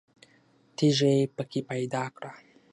تیږه یې په کې پیدا کړه.